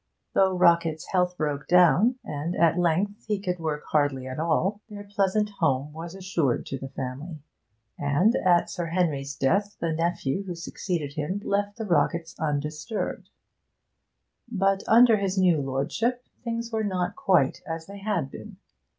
Though Rockett's health broke down, and at length he could work hardly at all, their pleasant home was assured to the family; and at Sir Henry's death the nephew who succeeded him left the Rocketts undisturbed. But, under this new lordship, things were not quite as they had been.